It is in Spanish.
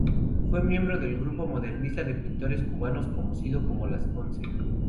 Fue miembro del grupo modernista de pintores cubanos conocido como "Las Once".